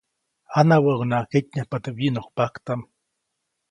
Janawäʼuŋnaʼajk ketnyajpa teʼ wyiʼnokpaktaʼm.